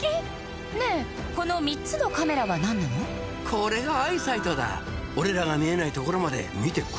これがアイサイトだ俺らが見えないところまで見てくれているんだ